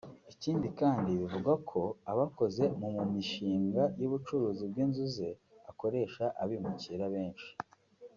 Ikindi kandi bivugwa ko abakoze mu mu mishinga y’ubucuruzi bw’inzu ze akoresha abimukira benshi